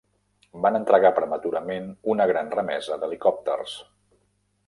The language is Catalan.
Van entregar prematurament una gran remesa d'helicòpters.